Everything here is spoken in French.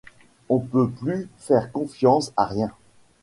On peut plus faire confiance à rien.